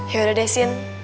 yaudah deh sien